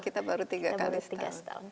kita baru tiga kali setahun